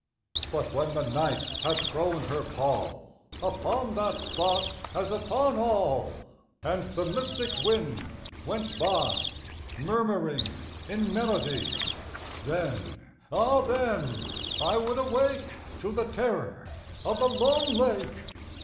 But when the Night had thrown her pall Upon that spot, as upon all, And the mystic wind went by Murmuring in melody— Then—ah then I would awake To the terror of the lone lake.